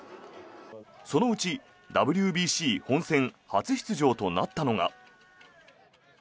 そのうちＷＢＣ本戦初出場となったのが。